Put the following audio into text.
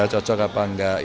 cocok apa enggak